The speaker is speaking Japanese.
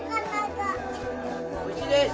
おいしいです！